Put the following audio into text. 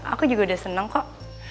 aku juga sudah senang kok